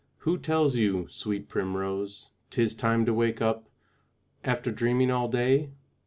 Who tells you, sweet primrose, 'tis time to wake up After dreaming all day?